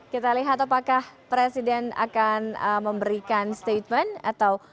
kita lihat apakah presiden akan memberikan statement atau